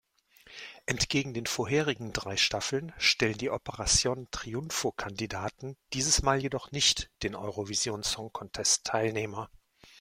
Entgegen den vorherigen drei Staffeln stellen die Operación-Triunfo-Kandidaten dieses Mal jedoch nicht den Eurovision-Song-Contest-Teilnehmer.